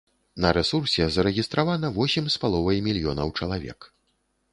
На рэсурсе зарэгістравана восем з паловай мільёнаў чалавек.